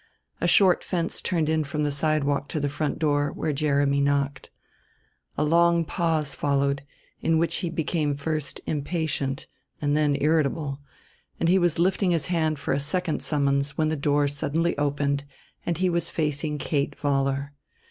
A short fence turned in from the sidewalk to the front door, where Jeremy knocked. A long pause followed, in which he became first impatient and then irritable; and he was lifting his hand for a second summons when the door suddenly opened and he was facing Kate Vollar.